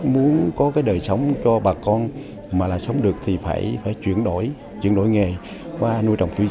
muốn có đời sống cho bà con mà sống được thì phải chuyển đổi nghề qua nuôi trồng thủy sản